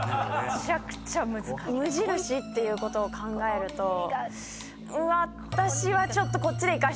無印っていうことを考えると私はちょっとこっちでいかせていただきます。